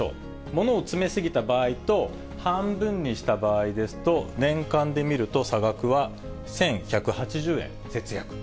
物を詰め過ぎた場合と、半分にした場合ですと、年間で見ると、差額は１１８０円節約。